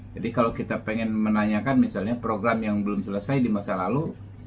jadi kalau kita pengen menanyakan misalnya program yang belum selesai di masa lalu